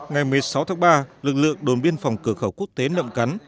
ngày một mươi sáu tháng ba lực lượng đồn biên phòng cửa khẩu quốc tế nậm cắn